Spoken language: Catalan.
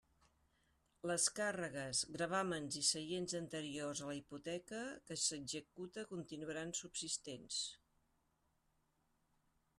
Les càrregues, gravàmens i seients anteriors a la hipoteca que s'execute continuaran subsistents.